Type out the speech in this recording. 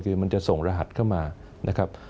คือมันจะส่งรหัสเข้ามานะครับ